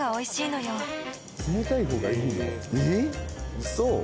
ウソ？